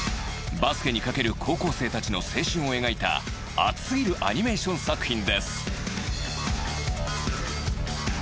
バスケに懸ける高校生たちの青春を描いた熱すぎるアニメーション作品です